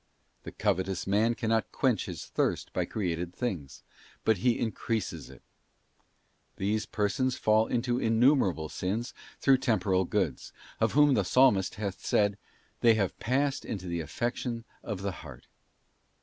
'f The covetous man cannot quench his thirst by created things; but he increases it. These persons fall into innumerable sins through temporal goods; of whom the Psalmist hath said, ' They have passed into the affection of the heart.